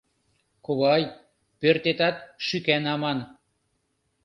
— Кувай, пӧртетат шӱкан аман.